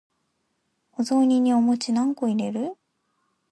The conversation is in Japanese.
お雑煮にお餅何個入れる？